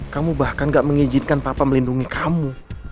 kamu bahkan gak mengizinkan papa melindungi kamu